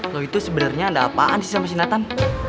lo itu sebenernya ada apaan sih sama si nantan